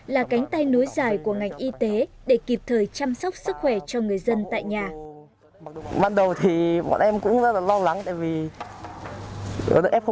là cánh tay nối dài của ngành y tế để kịp thời chăm sóc sức khỏe cho người dân tại nhà